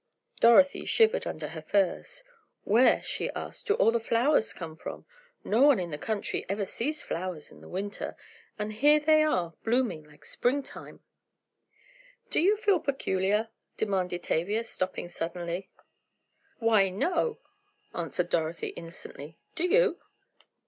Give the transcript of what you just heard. Dorothy shivered under her furs. "Where," she asked, "do all the flowers come from? No one in the country ever sees flowers in the winter, and here they are blooming like spring time." "Do you feel peculiar?" demanded Tavia, stopping suddenly. "Why, no," answered Dorothy innocently; "do you?"